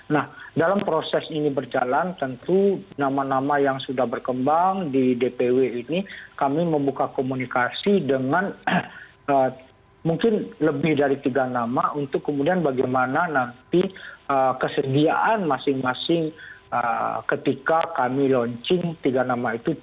nah dalam proses ini berjalan tentu nama nama yang sudah berkembang di dpw ini kami membuka komunikasi dengan mungkin lebih dari tiga nama untuk kemudian bagaimana nanti kesediaan masing masing ketika kami launching tiga nama itu